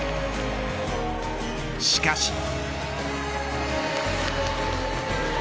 しかし。